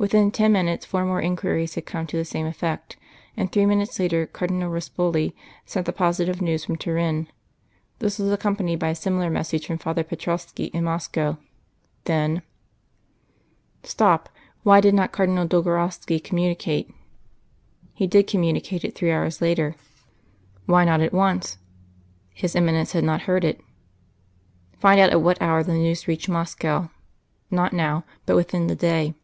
Within ten minutes four more inquiries had come to the same effect; and three minutes later Cardinal Ruspoli sent the positive news from Turin. This was accompanied by a similar message from Father Petrovski in Moscow. Then '" "Stop. Why did not Cardinal Dolgorovski communicate it?" "'He did communicate it three hours later.'" "Why not at once?" "'His Eminence had not heard it.'" "Find out at what hour the news reached Moscow not now, but within the day."